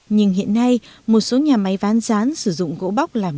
nhưng hiện nay một số nhà máy ván rán sử dụng gỗ bóc là nguồn